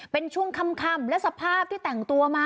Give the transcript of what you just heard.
เป็นช่วงค่ำและสภาพที่แต่งตัวมา